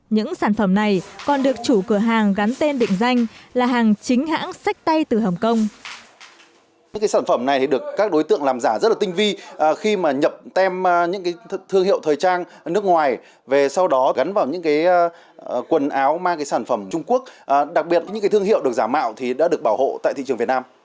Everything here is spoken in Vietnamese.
những sản phẩm này còn được chủ cửa hàng gắn tên định danh là hàng chính hãng sách tay từ hồng kông